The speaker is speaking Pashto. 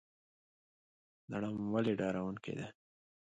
لړم ولې ډارونکی دی؟